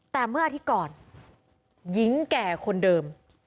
แต่เมื่ออาทิตย์ก่อนหญิงแก่คนเดิม